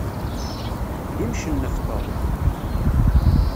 D imcennef Tom.